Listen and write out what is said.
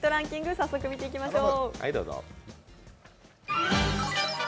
早速見ていきましょう。